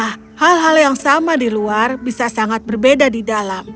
nah hal hal yang sama di luar bisa sangat berbeda di dalam